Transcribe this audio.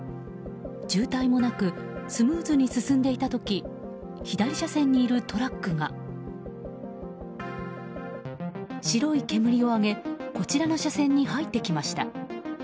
渋滞もなくスムーズに進んでいた時左車線にいるトラックが白い煙を上げこちらの車線に入ってきました。